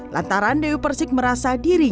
lantaran dewi persik menyebutnya berakhir deadlock